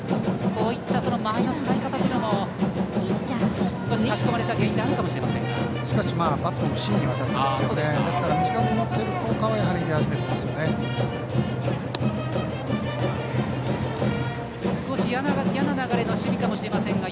こういった間合いの使い方も差し込まれた原因かもしれませんが。